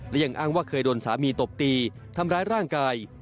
และยังอ้างว่าเคยโดนสามีตบตีทำร้ายร่างกาย